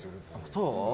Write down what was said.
そう？